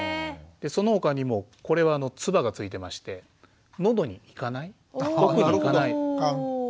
そのほかにもこれはつばがついてましてのどに行かない奥に行かない